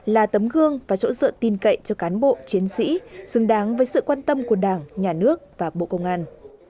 là tấm gương và chỗ dựa tin cậy cho cán bộ chiến sĩ xứng đáng với sự quan tâm của đảng nhà nước và bộ công an